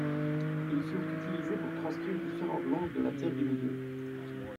Ils furent utilisés pour transcrire différentes langues de la Terre du Milieu.